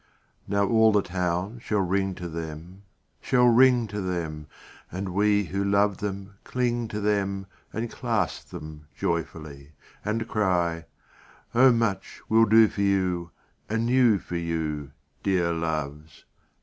II Now all the town shall ring to them, Shall ring to them, And we who love them cling to them And clasp them joyfully; And cry, "O much we'll do for you Anew for you, Dear Loves!